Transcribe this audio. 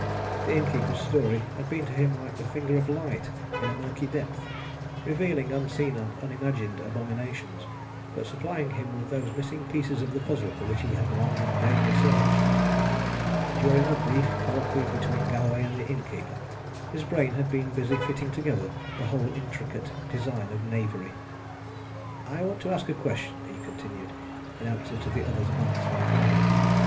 The innkeeper's story had been to him like a finger of light in a murky depth, revealing unseen and unimagined abominations, but supplying him with those missing pieces of the puzzle for which he had long and vainly searched. During the brief colloquy between Galloway and the innkeeper his brain had been busy fitting together the whole intricate design of knavery. "I want to ask a question," he continued, in answer to the other's glance of inquiry.